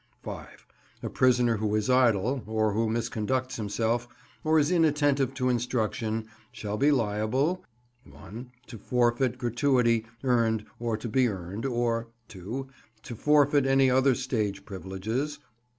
5. A prisoner who is idle, or who misconducts himself, or is inattentive to instruction, shall be liable (1) To forfeit gratuity earned or to be earned, or (2) To forfeit any other stage privileges.